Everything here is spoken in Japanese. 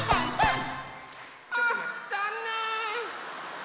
あぁざんねん。